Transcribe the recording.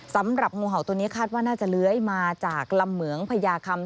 สำหรับงูเห่าตัวนี้คาดว่าน่าจะเลื้อยมาจากลำเหมืองพญาคำ